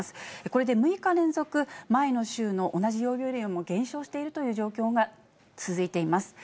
これで６日連続、前の週の同じ曜日よりも減少しているという状況が続いています。